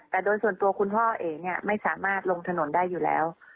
แต่โดยส่วนตัวคุณพ่อเอ๋เนี่ยไม่สามารถลงถนนได้อยู่แล้ว